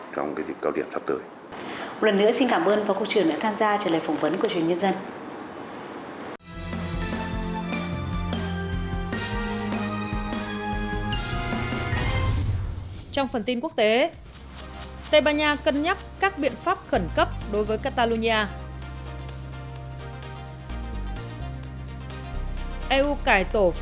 trong cái dịch cao điểm sắp tới